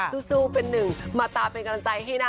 สู้เป็นหนึ่งมาตาเป็นกำลังใจให้นะ